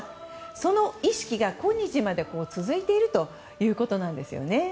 その意識が今日まで続いているということなんですよね。